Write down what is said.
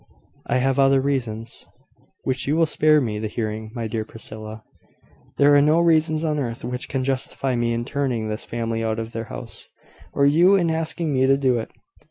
I have other reasons " "Which you will spare me the hearing. My dear Priscilla, there are no reasons on earth which can justify me in turning this family out of their house, or you in asking me to do it.